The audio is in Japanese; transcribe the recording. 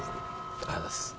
ありがとうございます。